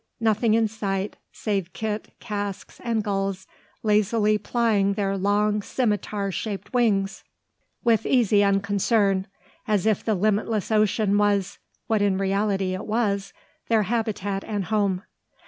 Nothing in sight, save kit, casks, and gulls lazily plying their long scimitar shaped wings with easy unconcern, as if the limitless ocean was, what in reality it was, their habitat and home.